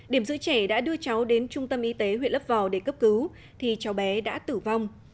điểm giữ trẻ đã đưa cháu đến trung tâm y tế huyện lấp vò để cấp cứu thì cháu bé đã tử vong